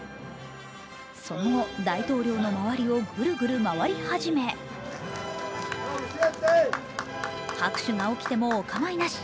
その大統領の周りをぐるぐる回り始め拍手が起きてもお構いなし。